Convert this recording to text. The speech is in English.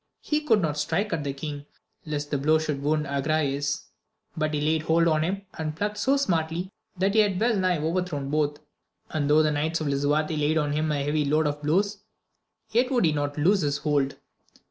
He could not strike at the king, lest the blow should wound Agrayes, but he laid hold on him, and plucked so smartly, that he had well nigh overthrown both, and though the knights of Lisuarte laid on him a heavy load of blows, yet would he not loose his hold.